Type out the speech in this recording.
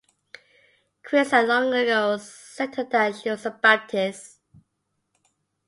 Kris had long ago settled that she was a baptist.